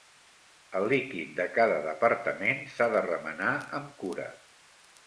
El líquid de cada departament s'ha de remenar amb cura.